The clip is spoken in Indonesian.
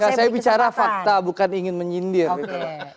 nggak saya bicara fakta bukan ingin menyindir gitu loh